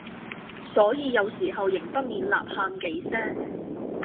所以有時候仍不免吶喊幾聲，